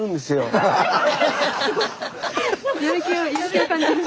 やる気を感じる。